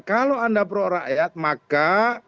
kalau anda prorakyat maka